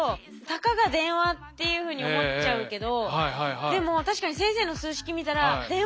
たかが電話っていうふうに思っちゃうけどでも確かに先生の数式見たらなるほど！